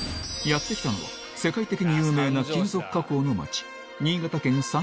やって来たのは世界的に有名な金属加工の町